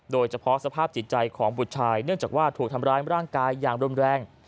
โดยเฉพาะสภาพจิตใจของบุตรชายเนื่องจากว่าถูกทำร้ายร่างกายอย่างรุนแรง